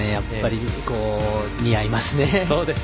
似合いますね。